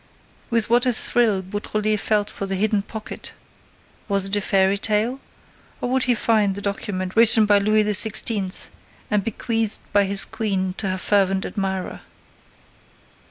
With what a thrill Beautrelet felt for the hidden pocket! Was it a fairy tale? Or would he find the document written by Louis XVI. and bequeathed by the queen to her fervent admirer?